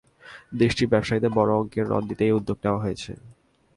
দেশটির ব্যবসায়ীদের বড় অঙ্কের ঋণ দিতেই এ উদ্যোগ নেওয়া হয়েছে।